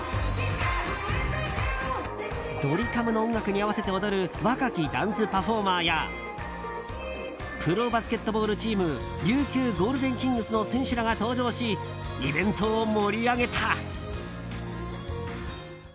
ドリカムの音楽に合わせて踊る若きダンスパフォーマーやプロバスケットボールチーム琉球ゴールデンキングスの選手らが登場しイベントを盛り上げた！